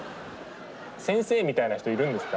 先生みたいな人いるんですか？